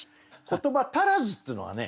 「言葉足らず」っていうのがね